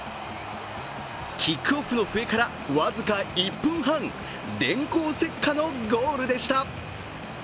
キックオフの笛から僅か１分半電光石火のゴールでした。